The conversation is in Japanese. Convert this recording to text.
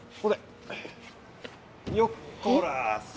よっこらせ。